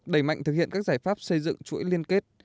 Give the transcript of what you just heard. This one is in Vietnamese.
đẩy mạnh thực hiện các giải pháp xây dựng chuỗi liên kết